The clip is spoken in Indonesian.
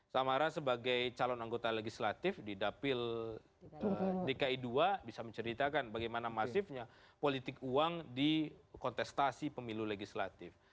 samara sebagai calon anggota legislatif di dapil dki dua bisa menceritakan bagaimana masifnya politik uang di kontestasi pemilu legislatif